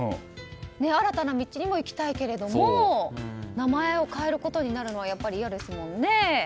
新たな道にも行きたいけれども名前を変えることになるのはやっぱり嫌ですもんね。